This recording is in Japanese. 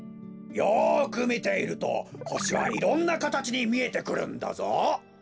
よくみているとほしはいろんなかたちにみえてくるんだぞ。